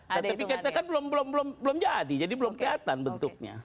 tetapi kita kan belum jadi jadi belum kelihatan bentuknya